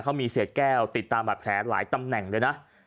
เขามีเศษแก้วติดตามบัตรแผลหลายตำแหน่งเลยนะ